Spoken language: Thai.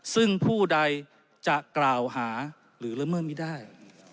ซึ่งผู้ใดจะกล่าวหาหรือละเมิดไม่ได้